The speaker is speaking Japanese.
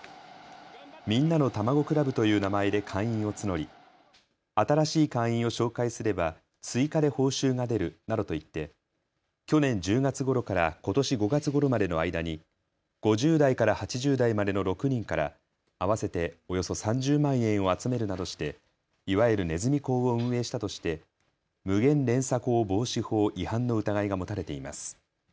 みんなのたまご倶楽部という名前で会員を募り新しい会員を紹介すれば追加で報酬が出るなどと言って去年１０月ごろからことし５月ごろまでの間に５０代から８０代までの６人から合わせておよそ３０万円を集めるなどして、いわゆるネズミ講を運営したとして無限連鎖講防止法違反の疑いが持たれています。